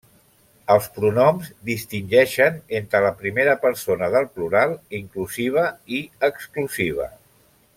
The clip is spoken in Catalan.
Els pronoms distingeixen entre la primera persona del plural inclusiva i exclusiva.